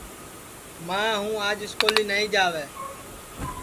ماں ہوں آج سکولی نائی جاوے